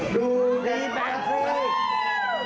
ดูดีแปลกเทพ